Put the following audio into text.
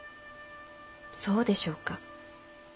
そうでしょうか？